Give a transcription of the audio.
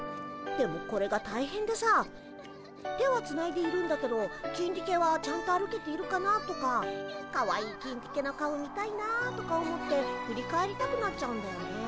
でもこれが大変でさ手はつないでいるんだけどキンディケはちゃんと歩けているかな？とかかわいいキンディケの顔見たいなとか思って振り返りたくなっちゃうんだよね。